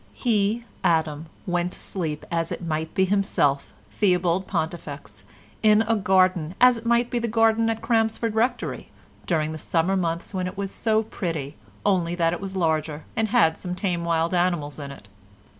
He, Adam, went to sleep as it might be himself, Theobald Pontifex, in a garden, as it might be the garden at Crampsford Rectory during the summer months when it was so pretty, only that it was larger, and had some tame wild animals in it.